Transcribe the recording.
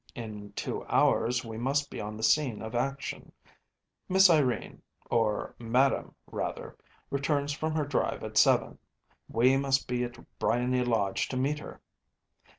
In two hours we must be on the scene of action. Miss Irene, or Madame, rather, returns from her drive at seven. We must be at Briony Lodge to meet her.